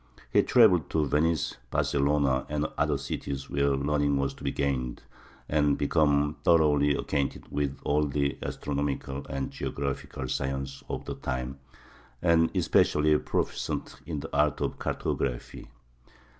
He traveled to Venice, Barcelona, and other cities where learning was to be gained, and became thoroughly acquainted with all the astronomical and geographical science of the time, and especially proficient in the art of cartography.